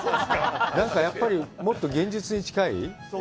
なんかやっぱり、もっと現実に近い。